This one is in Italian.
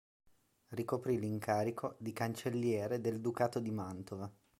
Ricoprì l'incarico di cancelliere del Ducato di Mantova.